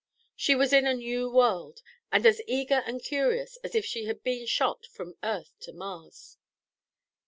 She was in a new world, and as eager and curious as if she had been shot from Earth to Mars.